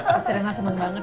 pasti rena seneng banget ya